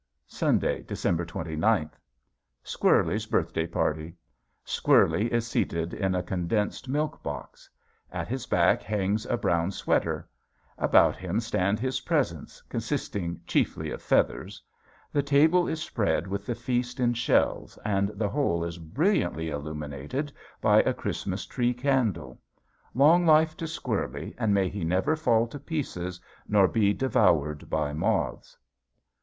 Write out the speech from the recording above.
Sunday, December twenty ninth. Squirlie's birthday party. Squirlie is seated in a condensed milk box. At his back hangs a brown sweater. About him stand his presents consisting chiefly of feathers. The table is spread with the feast in shells and the whole is brilliantly illuminated by a Christmas tree candle. Long life to Squirlie and may he never fall to pieces nor be devoured by moths!